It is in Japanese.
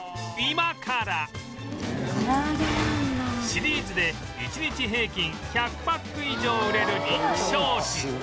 シリーズで１日平均１００パック以上売れる人気商品